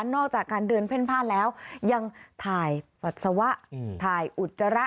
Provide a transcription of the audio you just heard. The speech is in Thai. จากการเดินเพ่นผ้าแล้วยังถ่ายปัสสาวะถ่ายอุจจาระ